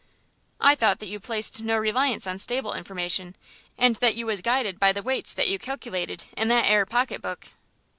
"I thought that you placed no reliance on stable information, and that you was guided by the weights that you calculated in that 'ere pocket book."